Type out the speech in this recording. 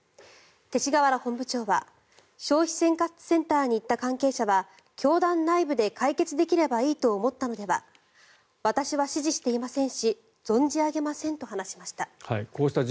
勅使河原本部長は消費生活センターに行った関係者は教団内部で解決できればいいと思ったのでは私は指示していませんし存じ上げませんと話しました。